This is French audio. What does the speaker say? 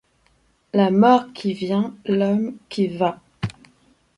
La mort qui vient, l’homme qui va…